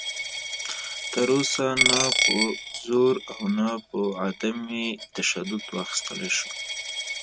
تر اوسه نه په زور او نه په عدم تشدد واخیستلی شو